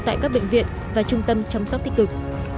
tại các bệnh viện và trung tâm chăm sóc tích cực